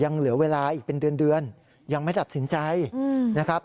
เหลือเวลาอีกเป็นเดือนยังไม่ตัดสินใจนะครับ